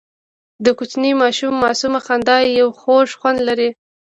د کوچني ماشوم معصومه خندا یو خوږ خوند لري.